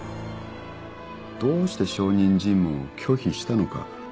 どうして証人尋問を拒否したのか。